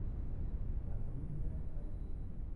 Francavilla Calcio".